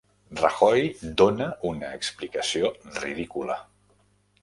Rajoy dóna una explicació ridícula